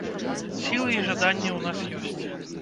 Сілы і жаданне ў нас ёсць.